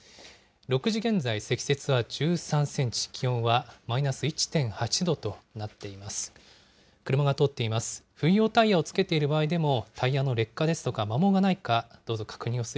６時現在、積雪は１３センチ、気温はマイナス１．８度となっています。